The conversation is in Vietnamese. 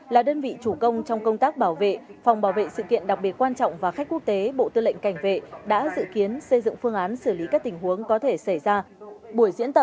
là đơn vị chủ công trong công tác bảo vệ phòng bảo vệ sự kiện đặc biệt quan trọng và khách quốc tế bộ tư lệnh cảnh vệ đã dự kiến xây dựng phương án xử lý các tình huống có thể xảy ra